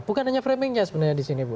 bukan hanya framingnya sebenarnya disini bu